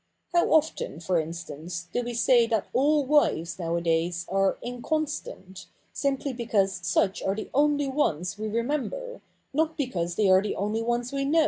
How often, for instance, do we say that all wives nowadays are inconstant, simply because such are the only ones we remember, not because they are the only ones we know.'